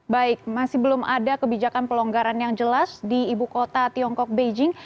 baik masih belum ada kebijakan pelonggaran yang jelas di ibu kota tiongkok beijing